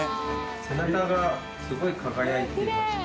背中がすごい輝いていまして。